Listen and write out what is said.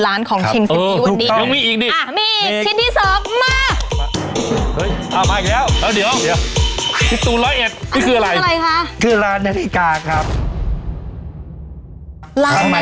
ร้านในรึการ